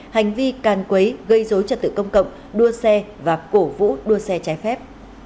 hành vi càn quấy gây dối trật tự công cộng đua xe và cổ vũ đua xe trái phép